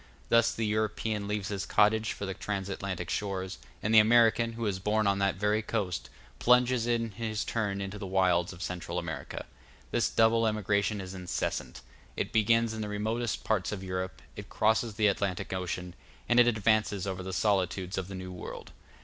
Thus the European leaves his cottage for the trans Atlantic shores; and the American, who is born on that very coast, plunges in his turn into the wilds of Central America. This double emigration is incessant; it begins in the remotest parts of Europe, it crosses the Atlantic Ocean, and it advances over the solitudes of the New World.